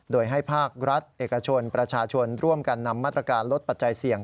โดยให้ภาครัฐเอกชนประชาชนร่วมกันนำมาตรการลดปัจจัยเสี่ยง